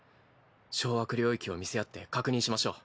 掌握領域を見せ合って確認しましょう。